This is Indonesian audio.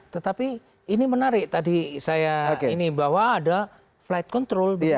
tetapi ini menarik tadi saya ini bahwa ada flight control